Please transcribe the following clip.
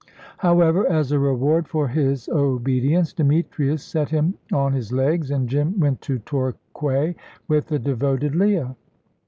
However, as a reward for his obedience, Demetrius set him on his legs, and Jim went to Torquay with the devoted Leah.